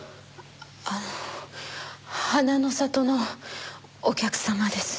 あ花の里のお客様です。